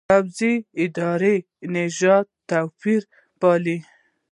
په پوځي ادارو کې نژادي توپېرونه پالي.